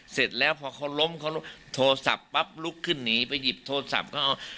เสร็จแล้วพอเขาล้มเขาโทรศัพท์ปั๊บลุกขึ้นหนีไปหยิบโทรศัพท์เขาเอา